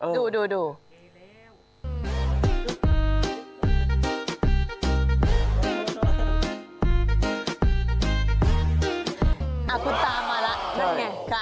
อ่าคุณตามมาแล้วนั่นไง